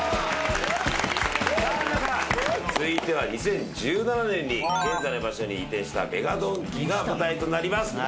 さあ皆さん続いては２０１７年に現在の場所に移転したＭＥＧＡドンキが舞台となります。